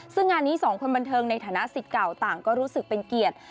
ซึ่งงานนี้สองคนบันเทิงในฐานะสิทธิ์เก่าต่างก็รู้สึกเป็นเกียรติ